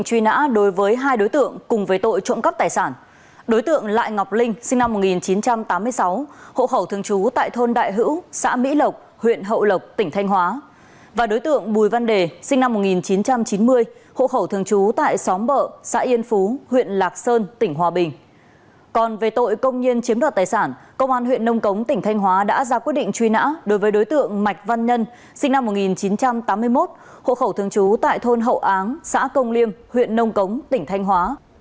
còn về tội công nhiên chiếm đoạt tài sản công an huyện nông cống tỉnh thanh hóa đã ra quyết định truy nã đối với đối tượng mạch văn nhân sinh năm một nghìn chín trăm tám mươi một hộ khẩu thường trú tại thôn hậu áng xã công liêm huyện nông cống tỉnh thanh hóa